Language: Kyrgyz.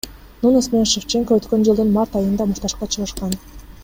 Нунес менен Шевченко өткөн жылдын март айында мушташка чыгышкан.